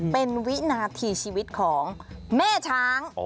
เป็นวินาทีชีวิตของแม่ช้าง